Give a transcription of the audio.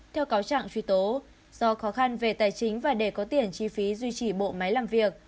theo cáo trạng truy tố do khó khăn về tài chính và để có tiền chi phí duy trì bộ máy làm việc